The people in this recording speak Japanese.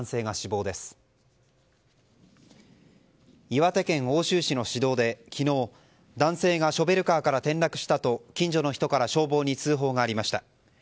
岩手県奥州市の市道で昨日男性がショベルカーから転落したと、近所の人から消防に通報がありました。